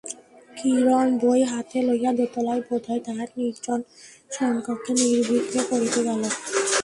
কিরণ বই হাতে লইয়া দোতলায় বোধহয় তাহার নির্জন শয়নকক্ষে নির্বিঘ্নে পড়িতে গেল।